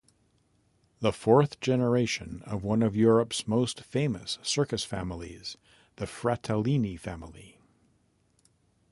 The fourth generation of one of Europe's most famous circus families, The Fratellini Family.